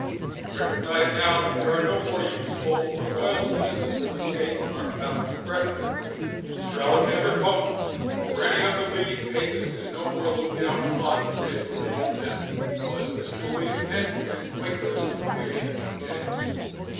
We recognise now that there are no more useful or loyal citizens in the state than our Catholic brethren, and Mr. Alexander Pope or any other leading Papist is no more looked down upon for his religion than was Mr. William Penn for his Quakerism in the reign of King James.